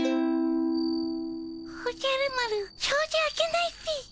おじゃる丸しょうじ開けないっピ。